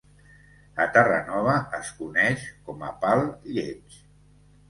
A Terranova, es coneix com a "pal lleig".